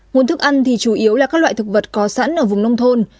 nguồn thức ăn thì chủ yếu là các loại thực vật có sẵn ở vùng nông thôn